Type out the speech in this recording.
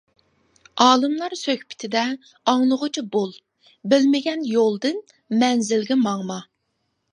ئالىملار سۆھبىتىدە، ئاڭلىغۇچى بول، بىلمىگەن يولدىن، مەنزىلگە ماڭما.